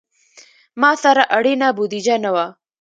ما سره اړینه بودیجه نه وه.